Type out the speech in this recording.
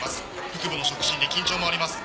腹部の触診で緊張もあります。